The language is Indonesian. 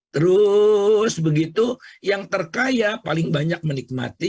terus begitu yang terkaya paling banyak menikmati